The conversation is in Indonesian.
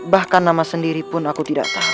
bahkan nama sendiri pun aku tidak tahu